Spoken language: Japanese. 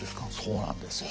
そうなんですよ。